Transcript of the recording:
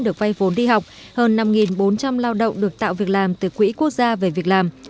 được vay vốn đi học hơn năm bốn trăm linh lao động được tạo việc làm từ quỹ quốc gia về việc làm